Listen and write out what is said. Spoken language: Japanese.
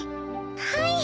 はい。